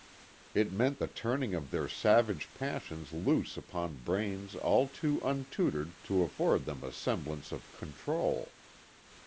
It meant the turning of their savage passions loose upon brains all too untutored to afford them a semblance of control.